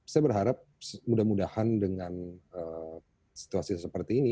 saya berharap mudah mudahan dengan situasi seperti ini